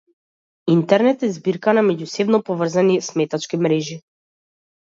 Интернет е збирка на меѓусебно поврзани сметачки мрежи.